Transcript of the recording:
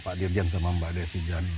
pak dirjen sama mbak desy dan